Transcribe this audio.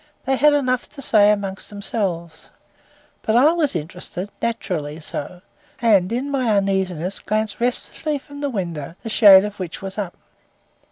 They had enough to say among themselves. But I was interested naturally so, and, in my uneasiness, glanced restlessly from the window, the shade of which was up.